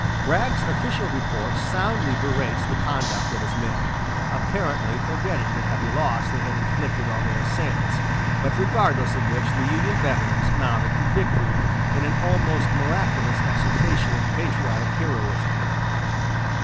Bragg's official report soundly berates the conduct of his men, apparently forgetting the heavy loss they had inflicted on their assailants but regardless of which the Union veterans mounted to victory in an almost miraculous exaltation of patriotic heroism.